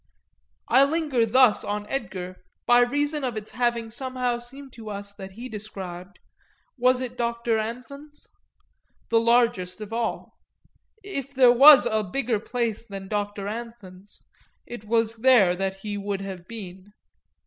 I linger thus on Edgar by reason of its having somehow seemed to us that he described was it at Doctor Anthon's? the largest of all. If there was a bigger place than Doctor Anthon's it was there he would have been.